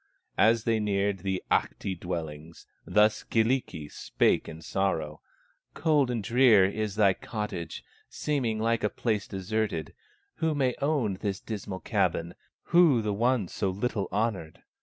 As they neared the Ahti dwellings, Thus Kyllikki spake in sorrow: "Cold and drear is thy cottage, Seeming like a place deserted; Who may own this dismal cabin, Who the one so little honored?"